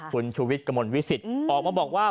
คุณชุวิธร์กระโหมนวิสิตออกมาบอกว่า